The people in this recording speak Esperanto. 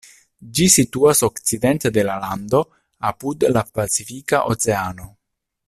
Ĝi situas okcidente de la lando, apud la Pacifika Oceano.